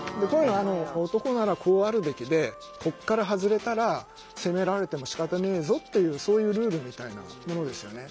「男ならこうあるべきでここから外れたら責められてもしかたねえぞ」っていうそういうルールみたいなものですよね。